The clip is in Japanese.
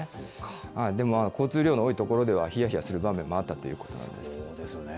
でも、交通量の多い所では、冷や冷やする場面もあったということなんです。